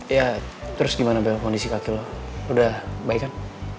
ya terus gimana bel kondisi kaki lo udah baik kan